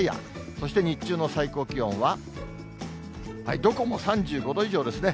そして日中の最高気温は、どこも３５度以上ですね。